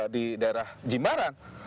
di daerah jimbaran